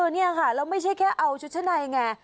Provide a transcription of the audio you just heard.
นี่ค่ะแล้วไม่ใช่แค่เอาชุดชั้นในไง